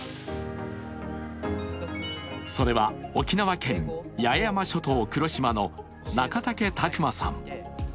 それは沖縄県八重山諸島黒島の仲嵩拓真さん。